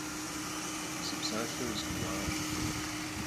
Zı psalhe khızgurı'uakhım.